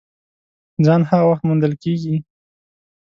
ځان هغه وخت موندل کېږي !